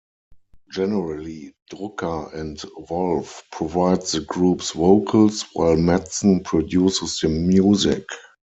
Generally Drucker and Wolf provide the group's vocals while Madson produces the music.